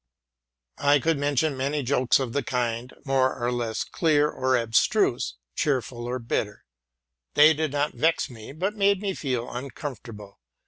T could mention many jokes of the kind, more or less clear or abstruse, cheerful or bitter. They did not vex me, but made me feel uncomfortable.